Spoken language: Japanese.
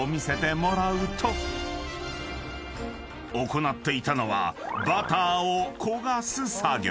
［行っていたのはバターを焦がす作業］